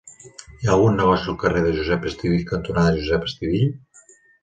Hi ha algun negoci al carrer Josep Estivill cantonada Josep Estivill?